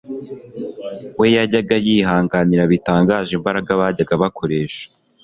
we yajyaga yihanganira bitangaje imbaraga bajyaga bakoresha